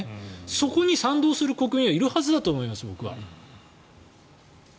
そこに賛同する国民はいるはずだと思います。